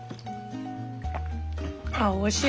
あっおいしい！